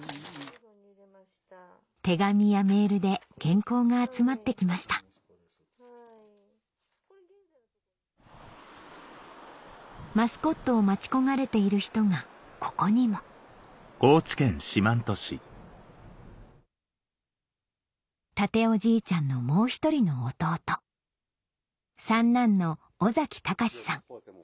手紙やメールで原稿が集まって来ました『マスコット』を待ち焦がれている人がここにも健夫じいちゃんのもう１人の弟三男の尾喬さん